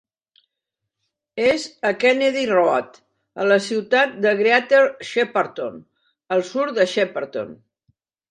És a Kennedy Road, a la ciutat de Greater Shepparton al sud de Shepparton.